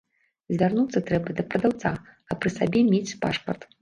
Звярнуцца трэба да прадаўца, а пры сабе мець пашпарт.